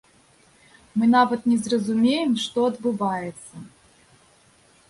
Мы нават не зразумеем, што адбываецца.